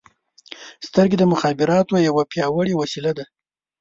• سترګې د مخابراتو یوه پیاوړې وسیله ده.